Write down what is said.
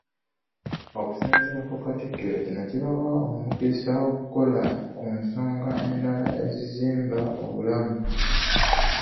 Okusinziira ku Katikkiro, kino kibawa omukisa okukola ku nsonga endala ezizimba obulamu.